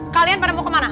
kalian pada mau kemana